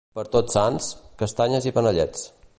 Per Tots Sants, castanyes i panellets.